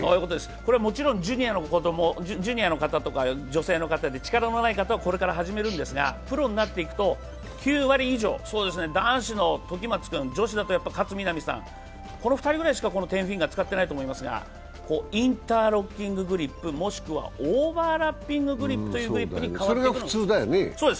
これはもちろんジュニアの方とか女性の方で力のない方はこれから始めるんですが、プロになっていくと９割以上、男子の時松君、女子だと勝みなみさんの２人ぐらいしかこのテンフィンガー使っていないと思いますがインターロッキンググリップもしくはオーバーラッピンググリップに変わっていくんです。